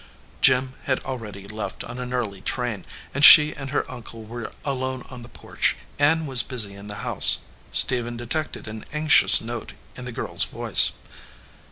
Jim had already left on an early train, and she and her uncle were alone on the porch. Ann was busy in the house. Stephen detected an anxious note in the girl s voice.